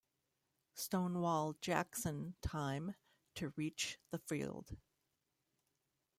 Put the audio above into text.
"Stonewall" Jackson time to reach the field.